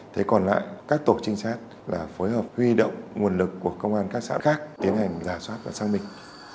thế còn lại các tổ trinh sát là phối hợp huy động nguồn lực của công an các xã khác tiến hành giả soát và xác minh